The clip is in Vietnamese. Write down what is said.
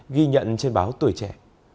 ghi nhận trên báo tuổi trẻ